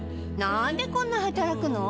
なんでこんな働くの？